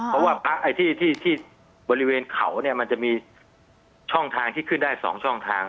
เพราะว่าที่บริเวณเขาเนี่ยมันจะมีช่องทางที่ขึ้นได้๒ช่องทาง